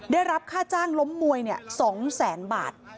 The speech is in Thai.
ได้รับค่าจ้างล้มมวย๒แสนบาท